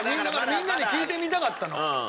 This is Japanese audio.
みんなに聞いてみたかったの。